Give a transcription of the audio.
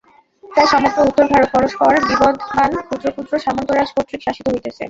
প্রায় সমগ্র উত্তর-ভারত পরস্পর-বিবদমান ক্ষুদ্র ক্ষুদ্র সামন্তরাজ কর্তৃক শাসিত হইতেছে।